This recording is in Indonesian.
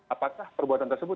apakah perbuatan tersebut